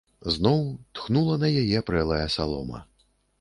Зноў тхнула на яе прэлая салома.